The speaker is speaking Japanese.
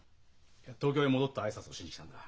東京へ戻った挨拶をしに来たんだ。